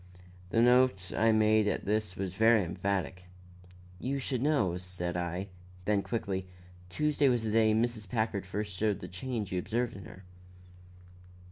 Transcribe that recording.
The note I made at this was very emphatic. "You should know," said I; then quickly "Tuesday was the day Mrs. Packard first showed the change you observed in her."